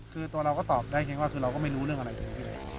คือตัวเราก็ตอบได้คือเราก็ไม่รู้เรื่องอะไรจริง